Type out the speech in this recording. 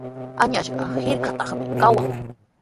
Añasqa hirkatraqmi kawan.